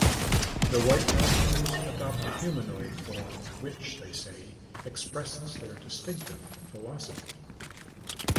The White Martians adopt a humanoid form which, they say, expresses their distinctive philosophy.